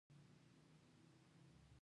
د هغه په اجازه يې يوه برخه دلته وړاندې کوو.